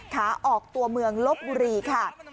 ขาออกตัวเมืองลบบุรีค่ะ